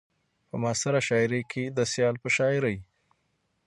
په معاصره شاعرۍ کې د سيال په شاعرۍ